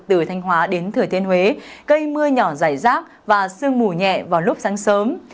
từ thanh hóa đến thừa thiên huế cây mưa nhỏ rải rác và sương mù nhẹ vào lúc sáng sớm